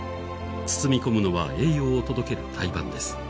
包み込むのは栄養を届ける胎盤です。